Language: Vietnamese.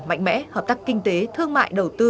mạnh mẽ hợp tác kinh tế thương mại đầu tư